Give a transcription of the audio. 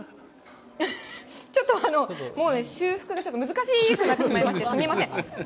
ちょっともう修復が難しい感じになってしまいまして、すみません。